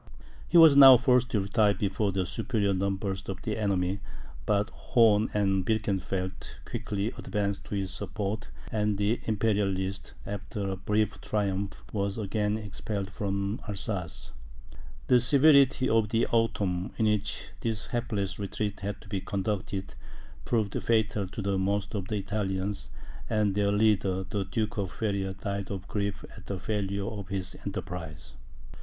He was now forced to retire before the superior numbers of the enemy; but Horn and Birkenfeld quickly advanced to his support, and the Imperialists, after a brief triumph, were again expelled from Alsace. The severity of the autumn, in which this hapless retreat had to be conducted, proved fatal to most of the Italians; and their leader, the Duke of Feria, died of grief at the failure of his enterprise.